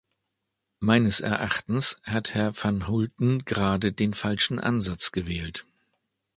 Meines Erachtens hat Herr van Hulten gerade den falschen Ansatz gewählt.